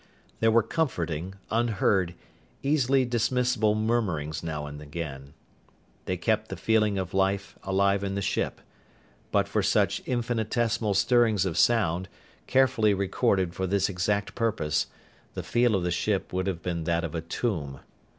There were comforting, unheard, easily dismissable murmurings now and again. They kept the feeling of life alive in the ship. But for such infinitesimal stirrings of sound, carefully recorded for this exact purpose, the feel of the ship would have been that of a tomb.